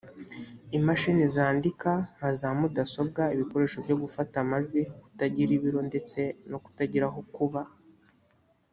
imashini zandika nka za mudasobwa ibikoresho byo gufata amajwi kutagira ibiro ndetse no kutagira aho kuba